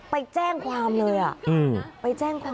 ไปแจ้งความเลยไปแจ้งความ